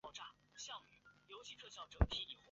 这笔费用因所采用的语言而异。